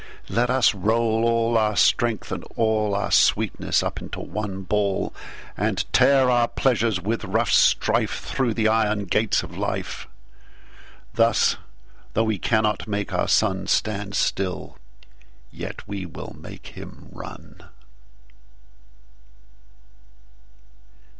Let us roll all our Strength, and allOur sweetness, up into one Ball:And tear our Pleasures with rough strife, Thorough the Iron gates of Life.Thus, though we cannot make our SunStand still, yet we will make him run.